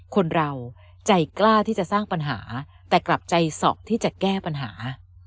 คนเราใจกล้าที่จะสร้างปัญหาแต่กลับใจสอบที่จะแก้ปัญหา